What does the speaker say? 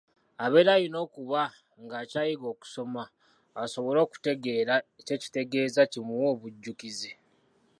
Abeera alina okuba ng'akyayiga okusoma asobolE okutegeera kye kitegeeza kimuwe obujjukizi.